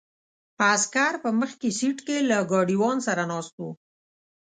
عسکر په مخکې سیټ کې له ګاډیوان سره ناست وو.